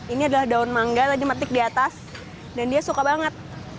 ini adalah daun mangga tadi mati di atas dan dia suka banget